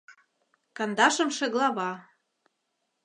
Кандашымше глава